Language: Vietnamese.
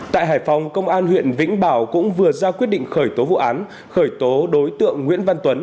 tại hải phòng công an huyện vĩnh bảo cũng vừa ra quyết định khởi tố vụ án khởi tố đối tượng nguyễn văn tuấn